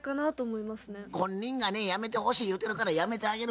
本人がねやめてほしい言うてるからやめてあげる。